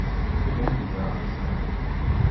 Deux ans plus tard, St.